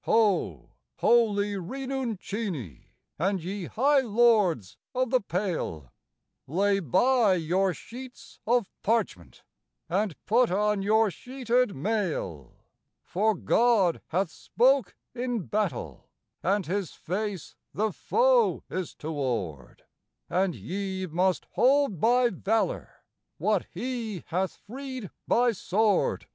Ho! holy Rinnuncini, and ye high lords of the Pale Lay by your sheets of parchment, and put on your sheeted mail, For God hath spoke in battle, and His face the foe is toward, And ye must hold by valour what He hath freed by sword.